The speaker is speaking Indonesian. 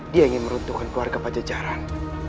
dia ingin meruntuhkan keluarga pajajaran